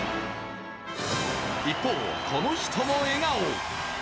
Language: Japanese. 一方、この人も笑顔。